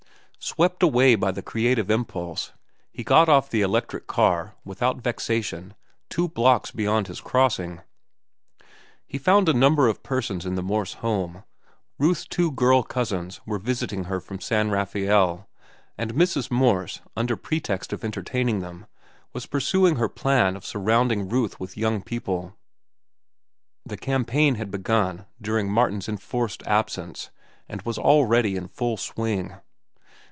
Swept away by the creative impulse, he got off the electric car, without vexation, two blocks beyond his crossing. He found a number of persons in the Morse home. Ruth's two girl cousins were visiting her from San Rafael, and Mrs. Morse, under pretext of entertaining them, was pursuing her plan of surrounding Ruth with young people. The campaign had begun during Martin's enforced absence, and was already in full swing.